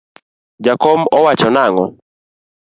Jakom owacho nangó?